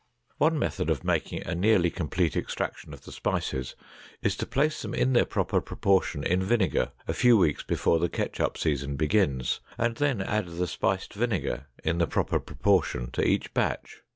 One method of making a nearly complete extraction of the spices is to place them in their proper proportion in vinegar a few weeks before the ketchup season begins and then add the spiced vinegar in the proper proportion to each batch.